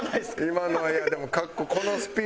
今のはいやでも。